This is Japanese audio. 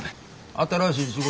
新しい仕事やろ